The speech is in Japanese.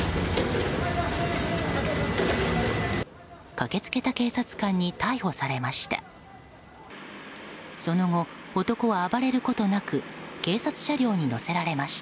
駆け付けた警察官に逮捕されました。